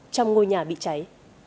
trong ngôi nhà bị cháy